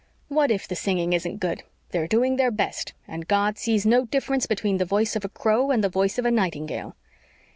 "What if the singing isn't good? They're doing their best, and God sees no difference between the voice of a crow and the voice of a nightingale."